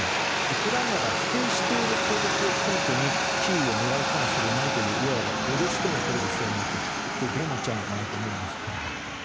ウクライナが否定している攻撃を根拠にキーウを狙うかもしれないといういわば脅しともとれる声明という、これはどうなるかと思うんですが。